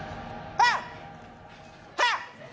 はっ！